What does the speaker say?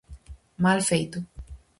Mal feito.